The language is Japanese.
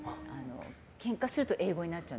ケンカすると英語になっちゃう。